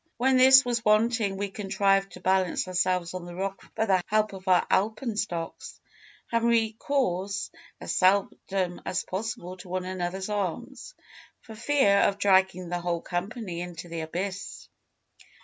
When this was wanting we contrived to balance ourselves on the rock by the help of our alpenstocks, having recourse as seldom as possible to one another's arms, for fear of dragging the whole company into the abyss.